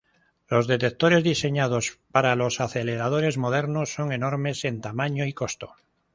Los detectores diseñados para los aceleradores modernos son enormes en tamaño y costo.